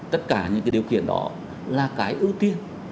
tất cả những cái điều kiện đó là cái ưu tiên